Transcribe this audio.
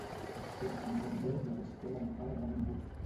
Estem a final de mes i la gestora encara no ha vingut